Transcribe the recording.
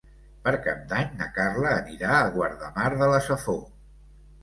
Per Cap d'Any na Carla anirà a Guardamar de la Safor.